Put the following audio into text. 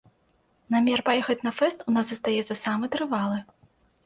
Намер паехаць на фэст у нас застаецца самы трывалы.